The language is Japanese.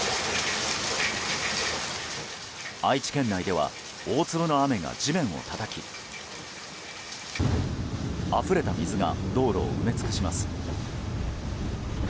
愛知県内では大粒の雨が地面をたたきあふれた水が道路を埋め尽くします。